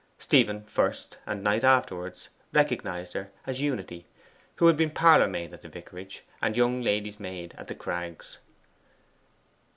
Stephen first, and Knight afterwards, recognized her as Unity, who had been parlour maid at the vicarage and young lady's maid at the Crags.